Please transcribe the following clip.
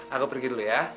aku pergi dulu ya